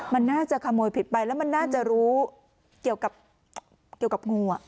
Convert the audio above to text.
มันน่าจะขโมยผิดไปแล้วมันน่าจะรู้เกี่ยวกับเกี่ยวกับงู